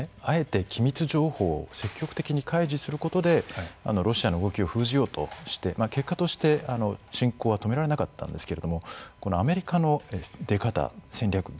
あえて機密情報を積極的に開示することでロシアの動きを封じようとして結果として侵攻は止められなかったんですけれどもこのアメリカの出方戦略